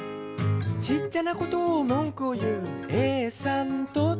「ちっちゃなことをもんくを言うＡさんと」